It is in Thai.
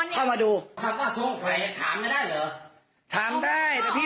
เพราะว่าหนูยังไม่ได้ทำอะไรให้พี่